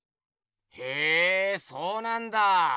へえそうなんだ。